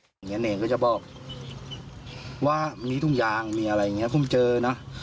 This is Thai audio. อย่างนี้เนรก็จะบอกว่ามีถุงยางมีอะไรอย่างนี้ผมเจอนะ